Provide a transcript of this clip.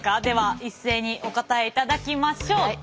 では一斉にお答えいただきましょう。